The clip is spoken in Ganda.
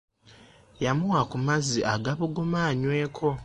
Yamuwa ku mazzi agabuguma anyweko.